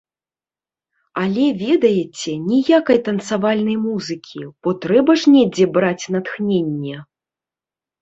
Але, ведаеце, ніякай танцавальнай музыкі, бо трэба ж недзе браць натхненне!